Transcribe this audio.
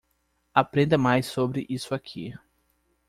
Aprenda mais sobre isso aqui.